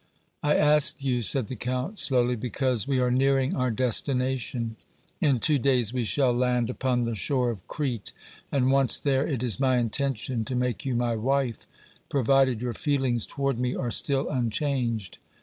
"I asked you," said the Count, slowly, "because we are nearing our destination. In two days we shall land upon the shore of Crete, and, once there, it is my intention to make you my wife, provided your feelings toward me are still unchanged.